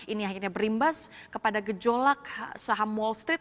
ini akhirnya berimbas kepada gejolak saham wall street